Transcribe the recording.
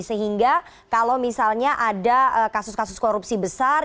sehingga kalau misalnya ada kasus kasus korupsi besar